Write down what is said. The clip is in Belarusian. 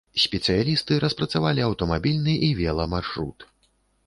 Спецыялісты распрацавалі аўтамабільны і веламаршрут.